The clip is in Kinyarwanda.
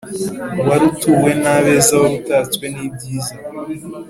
wari utuwe n'abeza wari utatswe n'ibyizi